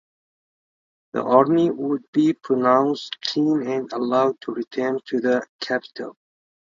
The army would be pronounced clean and allowed to return to the capital.